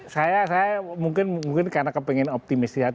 saya mungkin karena kepengen optimistis